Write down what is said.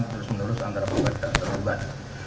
terus menerus antara penggugat dan terlibat